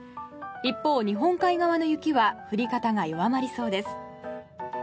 一方、日本海側の雪は降り方が弱まりそうです。